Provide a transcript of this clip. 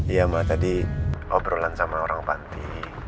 iya mbak tadi obrolan sama orang panti